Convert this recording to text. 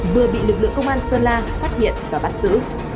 vừa bị lực lượng công an sơn la phát hiện và bắt giữ